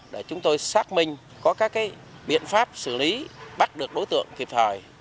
để chúng tôi xác minh có các biện pháp xử lý bắt được đối tượng kịp thời